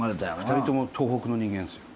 ２人とも東北の人間ですよ。